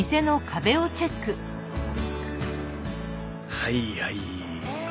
はいはい。